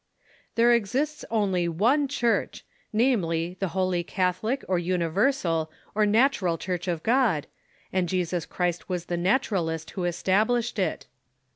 There exists only one church, namely, the Holy Catholic, or Universal, or Natural Church of God, and Jesus Christ Avas the Naturalist who established it.